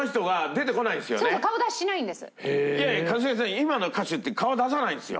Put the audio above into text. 今の歌手って顔出さないんですよ。